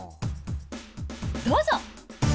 どうぞ。